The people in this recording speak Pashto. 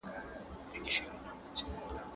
زه کاغذ نه ترتيب کوم.